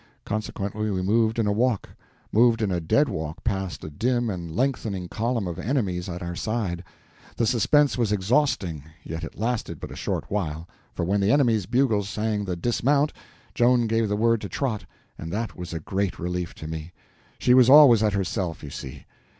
Consequently we moved in a walk. Moved in a dead walk past a dim and lengthening column of enemies at our side. The suspense was exhausting, yet it lasted but a short while, for when the enemy's bugles sang the "Dismount!" Joan gave the word to trot, and that was a great relief to me. She was always at herself, you see.